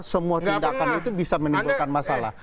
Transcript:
semua tindakan itu bisa menimbulkan masalah